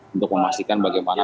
untuk memastikan bagaimana